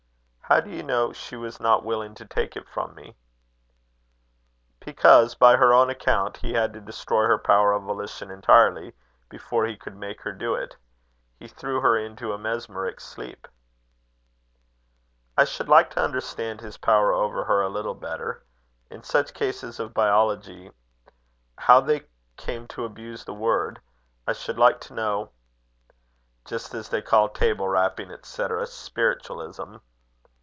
"How do you know she was not willing to take it from me?" "Because, by her own account, he had to destroy her power of volition entirely, before he could make her do it. He threw her into a mesmeric sleep." "I should like to understand his power over her a little better. In such cases of biology how they came to abuse the word, I should like to know " "Just as they call table rapping, &c., spiritualism."